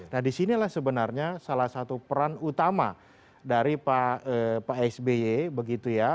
nah disinilah sebenarnya salah satu peran utama dari pak sby begitu ya